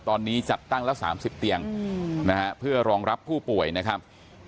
ตอนนี้จัดตั้งละ๓๐เตียงนะฮะเพื่อรองรับผู้ป่วยนะครับ